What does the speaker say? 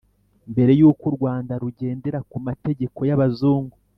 Mbere yuko u Rwanda rugendera ku mategeko y abazungu